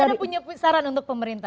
anda punya saran untuk pemerintah